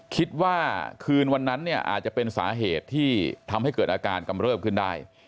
คิดว่าคืนวันนั้นเนี่ยอาจจะเป็นสาเหตุที่ทำให้เกิดอาการกำเริบขึ้นได้